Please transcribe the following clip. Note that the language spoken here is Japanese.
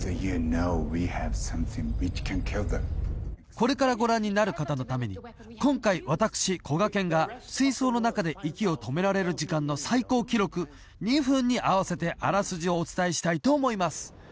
これからご覧になる方のために今回私こがけんが水槽の中で息を止められる時間の最高記録２分に合わせてあらすじをお伝えしたいと思います